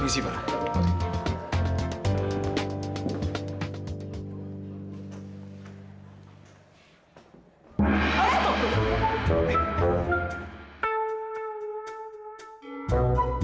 terima kasih pak